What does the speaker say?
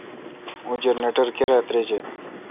اوں جنریٹر کرا تریجہ۔